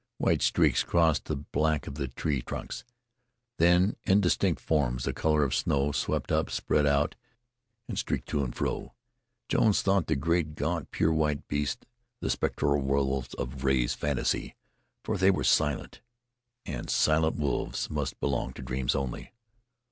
White streaks crossed the black of the tree trunks; then indistinct forms, the color of snow, swept up, spread out and streaked to and fro. Jones thought the great, gaunt, pure white beasts the spectral wolves of Rea's fancy, for they were silent, and silent wolves must belong to dreams only.